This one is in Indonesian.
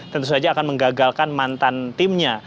tentu saja akan menggagalkan mantan timnya